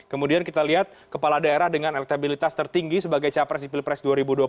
kemudian kita lihat kepala daerah dengan elektabilitas tertinggi sebagai capres di pilpres dua ribu dua puluh